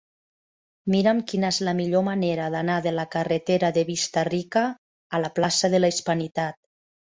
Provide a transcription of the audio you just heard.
Mira'm quina és la millor manera d'anar de la carretera de Vista-rica a la plaça de la Hispanitat.